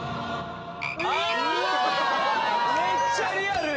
わあ・めっちゃリアル！